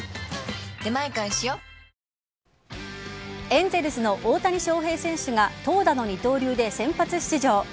エンゼルスの大谷翔平選手が投打の二刀流で先発出場。